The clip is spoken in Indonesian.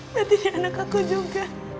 tapi dia anak aku juga